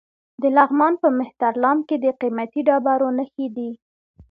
د لغمان په مهترلام کې د قیمتي ډبرو نښې دي.